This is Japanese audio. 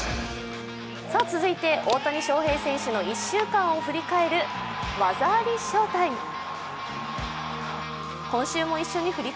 続いて、大谷翔平選手の１週間を振り返る「技ありＳＨＯＷ−ＴＩＭＥ」。